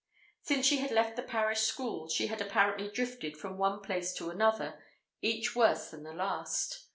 Since she had left the Parish Schools, she had apparently drifted from one place to another, each worse than the last.